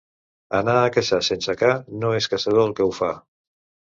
Anar a caçar sense ca, no és caçador el que ho fa.